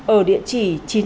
ở địa chỉ